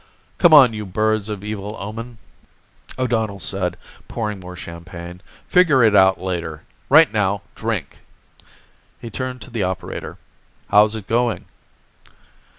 "Come on, you birds of evil omen," O'Donnell said, pouring more champagne. "Figure it out later. Right now, drink." He turned to the operator. "How's it going?"